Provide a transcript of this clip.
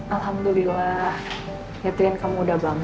alhamdulillah ya trian kamu udah bangun